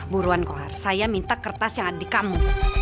buruan kohar saya minta kertas yang ada di kamu